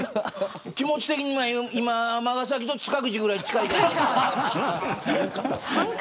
気持ち的には尼崎と塚口ぐらい近いです。